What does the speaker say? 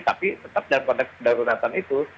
tapi tetap dalam konteks kedaruratan itu